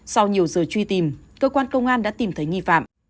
sau nhiều giờ truy tìm cơ quan công an đã tìm thấy nghi phạm